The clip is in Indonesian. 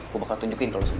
gue aku tunjukin ke lu semua